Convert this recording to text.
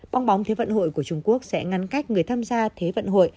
bong bóng thế vận hội của trung quốc sẽ ngăn cách người tham gia thế vận hội